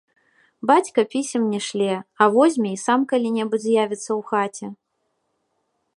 Бацька пісем не шле, а возьме і сам калі-небудзь з'явіцца ў хаце.